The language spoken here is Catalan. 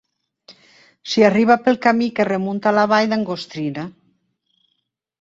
S'hi arriba pel camí que remunta la vall d'Angostrina.